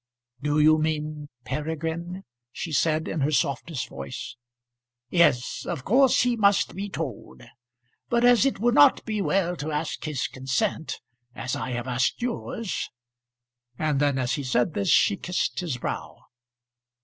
"Do you mean Peregrine?" she said in her softest voice. "Yes. Of course he must be told. But as it would not be well to ask his consent, as I have asked yours " and then as he said this she kissed his brow.